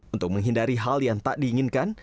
untuk menghindari hal yang tak diinginkan